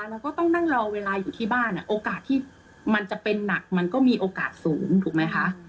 เราก็ต้องนั่งรอเวลาอยู่ที่บ้านโอกาสที่มันจะเป็นหนักมันก็มีโอกาสสูงถูกไหมคะ